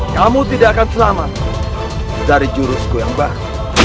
kamu tidak akan selamat dari jurusku yang baru